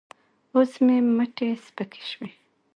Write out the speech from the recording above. اوس مې مټې سپکې شوې.